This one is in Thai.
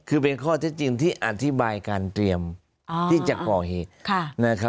คือเป็นข้อเท็จจริงที่อธิบายการเตรียมที่จะก่อเหตุ